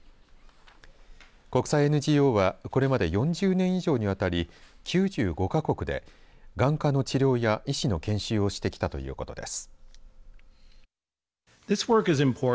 国際ＮＧＯはこれまで４０年以上にわたり９５か国で眼科の治療や医師の研修をしてきたということです。